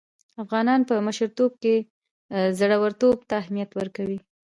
افغانان په مشرتوب کې زړه ورتوب ته اهميت ورکوي.